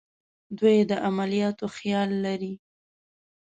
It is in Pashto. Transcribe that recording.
دوی د عملیاتو خیال لري.